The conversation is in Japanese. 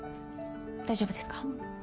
大丈夫ですか？